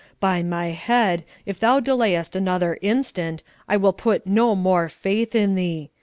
By my head, if thou delayest another instant, I will put no more faith in thee!